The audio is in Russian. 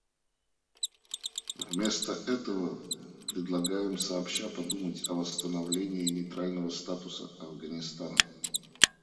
Вместо этого, предлагаем сообща подумать о восстановлении нейтрального статуса Афганистана.